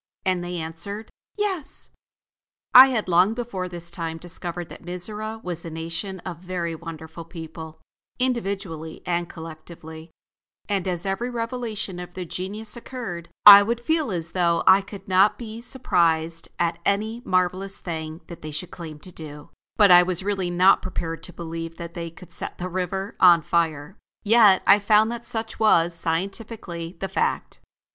And they answered: "Yes." I had long before this time discovered that Mizora was a nation of very wonderful people, individually and collectively; and as every revelation of their genius occurred, I would feel as though I could not be surprised at any marvelous thing that they should claim to do, but I was really not prepared to believe that they could set the river on fire. Yet I found that such was, scientifically, the fact.